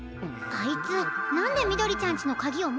あいつなんでみどりちゃんちのかぎをもってるの？